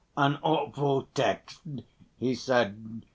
"An awful text," he said.